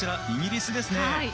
イギリスですね。